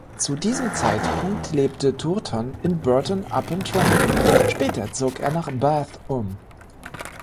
Zu diesem Zeitpunkt lebte Turton in Burton-upon-Trent, später zog er nach Bath um.